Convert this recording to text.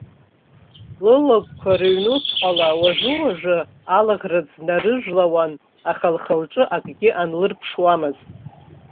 Лылагәқәа рыҩнуҵҟала уажәы-уажәы алаӷырӡ нарыжәлауан, аха лхы-лҿы акгьы анлырԥшуамызт.